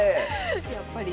やっぱり。